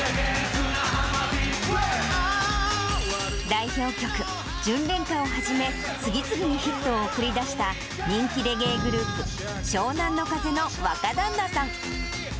代表曲、純恋歌をはじめ、次々にヒットを送り出した、人気レゲエグループ、湘南乃風の若旦那さん。